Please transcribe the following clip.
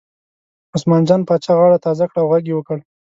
عثمان جان پاچا غاړه تازه کړه او غږ یې وکړ.